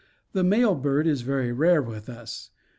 The male bird is very rare with us.